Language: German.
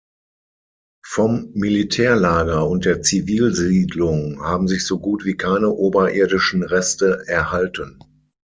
Vom Militärlager und der Zivilsiedlung haben sich so gut wie keine oberirdischen Reste erhalten.